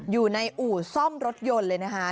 อยู่ในอู่ซ่อมรถยนต์เลยนะคะ